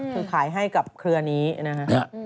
คือขายให้กับเครือนี้นะฮะ